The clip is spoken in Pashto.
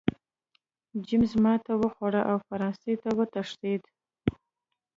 جېمز ماتې وخوړه او فرانسې ته وتښتېد.